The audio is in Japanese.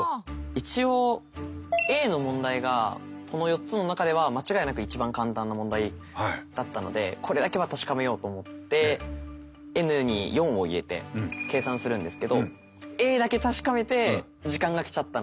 一応Ａの問題がこの４つの中では間違いなく一番簡単な問題だったのでこれだけは確かめようと思ってｎに４を入れて計算するんですけどＡだけ確かめて時間が来ちゃったので。